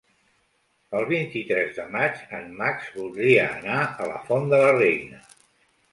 El vint-i-tres de maig en Max voldria anar a la Font de la Reina.